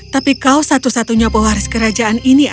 tapi kau satu satunya pewaris kerajaan ini adalah